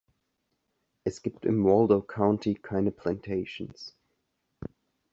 Es gibt im Waldo County keine Plantations.